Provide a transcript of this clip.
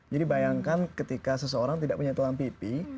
jadi bayangkan ketika seseorang tidak punya tulang pipi